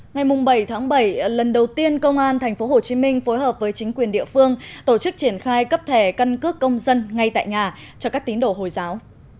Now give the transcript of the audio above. ngày bảy bảy lần đầu tiên công an tp hcm phối hợp với chính quyền địa phương tổ chức triển khai cấp thẻ căn cước công dân ngay tại nhà cho các tín đồ hồi giáo